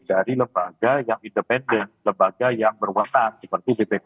dari lembaga yang independen lembaga yang berwenang seperti bpk